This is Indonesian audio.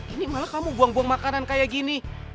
ini malah kamu buang buang makanan kayak gini